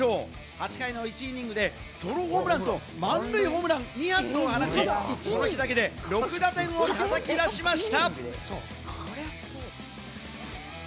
８回の１イニングでソロホームランと満塁ホームラン、２発を放ち６打点をたたき出しました！